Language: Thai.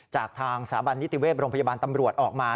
จากทางสถาบันนิติเวศโรงพยาบาลตำรวจออกมา